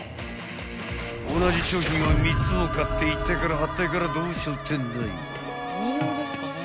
［同じ商品を３つも買っていったいからはったいからどうしようってんだい］